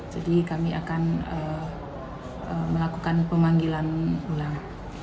jadi kami akan melakukan pemanggilan ulang